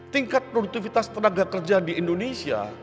tingkat produktivitas tenaga kerja di indonesia